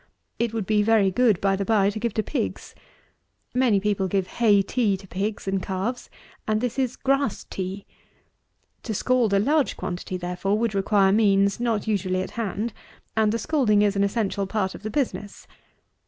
It would be very good, by the by, to give to pigs. Many people give hay tea to pigs and calves; and this is grass tea. To scald a large quantity, therefore would require means not usually at hand, and the scalding is an essential part of the business.